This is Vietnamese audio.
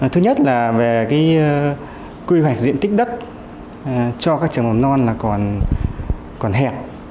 thứ nhất là về quy hoạch diện tích đất cho các trường mầm non là còn hẹp